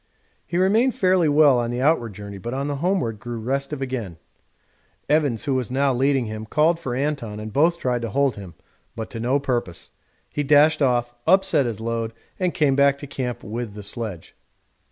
He remained fairly well on the outward journey, but on the homeward grew restive again; Evans, who was now leading him, called for Anton, and both tried to hold him, but to no purpose he dashed off, upset his load, and came back to camp with the sledge.